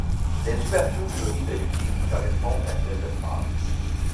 Les ouvertures murées de l’église correspondent à ces espaces.